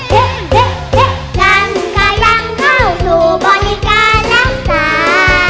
เตะเตะเตะงั้นขายังเหาสู่บริการักษา